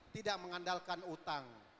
tidak mengandalkan utang